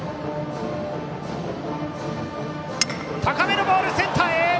高めのボールセンターへ！